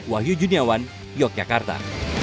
wahyu juniawan yogyakarta